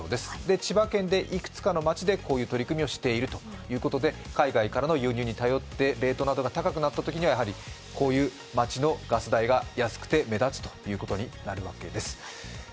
千葉県でいくつかの町でこういう取り組みをしているということで海外からの輸入に頼ってレートなどが高くなったときにはやはりこういう町のガス代が安くて目立つということになるわけです。